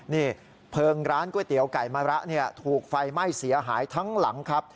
นี่เพลิงร้านก๋วยเตี๋ยวไก่มะระถูกไฟไหม้เสียหายทั้งหลังครับ